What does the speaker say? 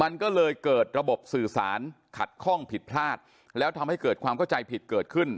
มันก็เลยเกิดระบบสื่อสารขัดข้องผิดพลาดแล้วทำให้เกิดความเข้าใจผิดเกิดขึ้น